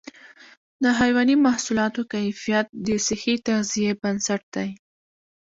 د حيواني محصولاتو کیفیت د صحي تغذیې بنسټ دی.